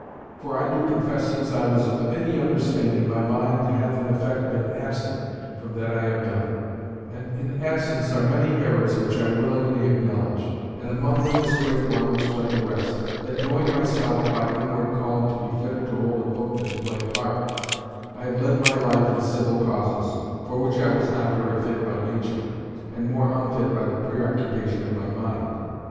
For I do confess since I was of any understanding, my mind hath in effect been absent from that I have done; and in absence are many errors which I willingly acknowledge; and among them, this great one which led the rest: that knowing myself by inward calling to be fitter to hold a book than to play a part, I have led my life in civil causes, for which I was not very fit by nature, and more unfit by the preoccupation of my mind.